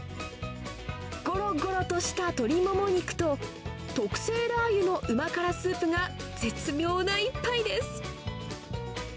ごろごろとした鶏もも肉と、特製ラー油のうま辛スープが絶妙な一杯です。